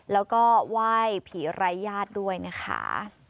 แล้วก็ไหว้ผีไร้ญาติด้วยนะคะ